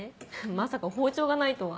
まさか包丁がないとは。